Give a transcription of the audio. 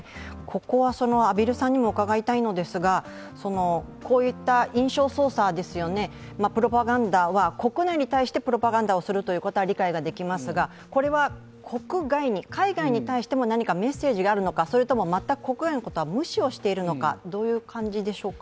ここは畔蒜さんにも伺いたいのですが、こういった印象操作、プロパガンダは国内に対して、プロパガンダをするということは理解できますが国外に、海外に対しても何かメッセージがあるのか、それとも全く国外のことは無視しているのかどちらでしょう？